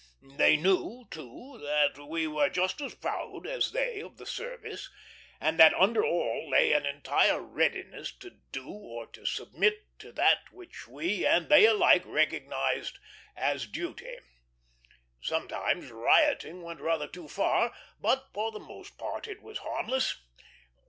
They knew, too, that we were just as proud as they of the service, and that under all lay an entire readiness to do or to submit to that which we and they alike recognized as duty. Sometimes rioting went rather too far, but for the most part it was harmless.